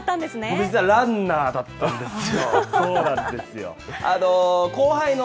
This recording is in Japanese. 僕、実はランナーだったんですよ。